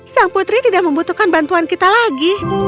sang putri tidak membutuhkan bantuan kita lagi